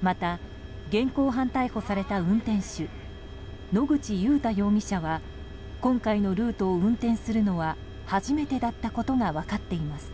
また、現行犯逮捕された運転手野口祐太容疑者は今回のルートを運転するのは初めてだったことが分かっています。